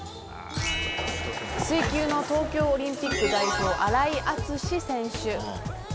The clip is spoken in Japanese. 水球の東京オリンピック代表荒井陸選手。